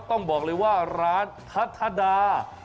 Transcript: ต้องบอกเลยว่าร้านทัศดา